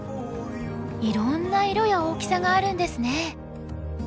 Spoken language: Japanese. いろんな色や大きさがあるんですね。